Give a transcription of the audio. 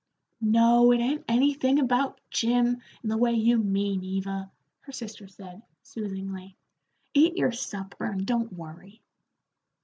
"No, it ain't anything about Jim, in the way you mean, Eva," her sister said, soothingly. "Eat your supper and don't worry."